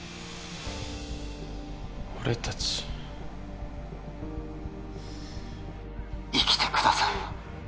俺達生きてください